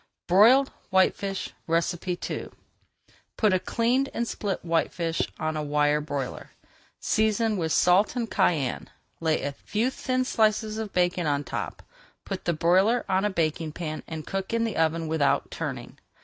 BROILED WHITEFISH II Put a cleaned and split whitefish on a wire broiler, season with salt and cayenne, lay a few thin slices of bacon on top, put the broiler on a baking pan, and cook in the oven without turning.